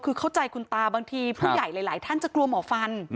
คือเข้าใจคุณตาบางทีผู้ใหญ่หลายท่านจะกลัวหมอฟัน